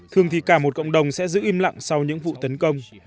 thường thì cả một cộng đồng sẽ giữ im lặng sau những vụ tấn công